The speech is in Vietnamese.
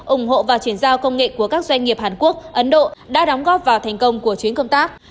ủng hộ và chuyển giao công nghệ của các doanh nghiệp hàn quốc ấn độ đã đóng góp vào thành công của chuyến công tác